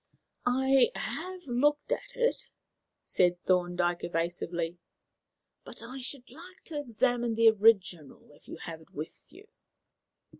"I have looked at it," said Thorndyke evasively, "but I should like to examine the original if you have it with you."